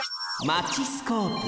マチスコープ。